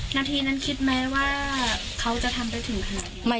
นาทีนั้นคิดไหมว่าเขาจะทำได้ถึงขนาด